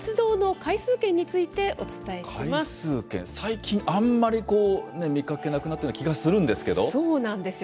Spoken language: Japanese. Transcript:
回数券、最近、あんまりこう、見かけなくなった気がするんですそうなんですよ。